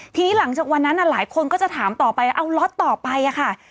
ทีนี้หลังจากวันนั้นหลายคนก็จะถามต่อไปเอาล็อตต่อไปค่ะ